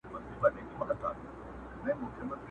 يو څو زلميو ورته هېښ کتله.!